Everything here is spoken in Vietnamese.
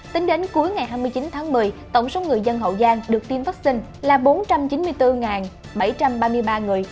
tính đến cuối ngày hai mươi chín tháng một mươi tổng số người dân hậu giang được tiêm vaccine là bốn trăm chín mươi bốn bảy trăm ba mươi ba người